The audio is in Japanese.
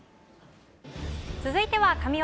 続いては神技。